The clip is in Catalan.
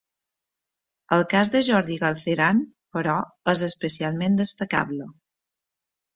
El cas de Jordi Galceran, però, és especialment destacable.